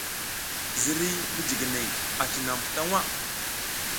Ziriy mijiginey a cinam ta waʼa.